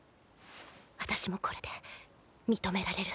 私もこれで認められる。